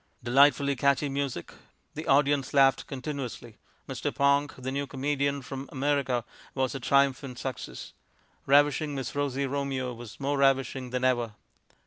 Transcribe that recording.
Delightfully catchy music.... The audience laughed continuously.... Mr. Ponk, the new comedian from America, was a triumphant success.... Ravishing Miss Rosie Romeo was more ravishing than ever...